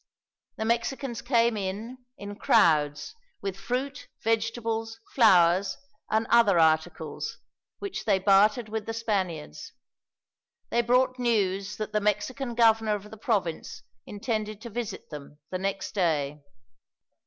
The Mexicans came in, in crowds, with fruit, vegetables, flowers, and other articles, which they bartered with the Spaniards. They brought news that the Mexican governor of the province intended to visit them, the next day.